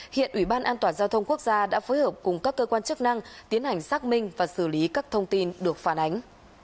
hiện ủy ban an toàn giao thông quốc gia đã phối hợp cùng các cơ quan chức năng tiến hành xác minh và xử lý các thông tin được phản ánh